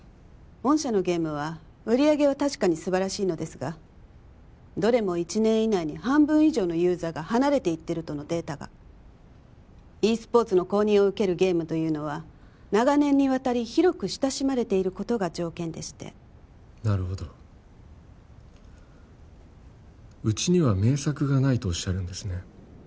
御社のゲームは売上は確かに素晴らしいのですがどれも１年以内に半分以上のユーザーが離れていってるとのデータがｅスポーツの公認を受けるゲームというのは長年にわたり広く親しまれていることが条件でしてなるほどうちには名作がないとおっしゃるんですね